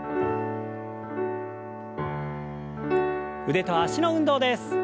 腕と脚の運動です。